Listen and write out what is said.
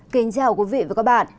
kính chào quý vị và các bạn